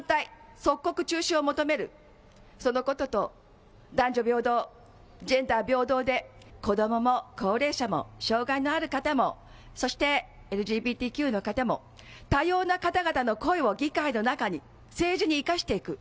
即刻中止を求めるそのことと、男女平等、ジェンダー平等で子どもも高齢者も障害のある方も、そしてＬＧＢＴＱの方も多様な方々の声を議会の中に政治に生かしていく。